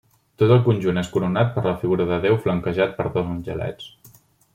Tot el conjunt és coronat per la figura de Déu flanquejat per dos angelets.